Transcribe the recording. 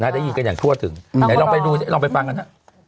ได้ยินกันอย่างทั่วถึงลองไปฟังกันนะ